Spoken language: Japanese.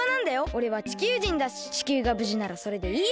おれは地球人だし地球がぶじならそれでいいや！